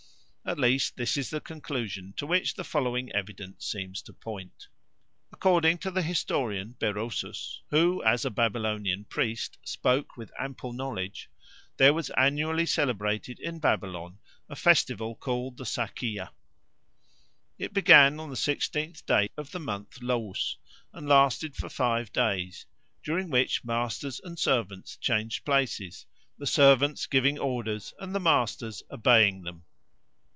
At least this is the conclusion to which the following evidence seems to point. According to the historian Berosus, who as a Babylonian priest spoke with ample knowledge, there was annually celebrated in Babylon a festival called the Sacaea. It began on the sixteenth day of the month Lous, and lasted for five days, during which masters and servants changed places, the servants giving orders and the masters obeying them.